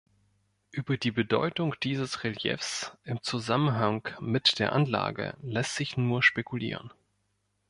Über die Bedeutung dieses Reliefs im Zusammenhang mit der Anlage lässt sich nur spekulieren.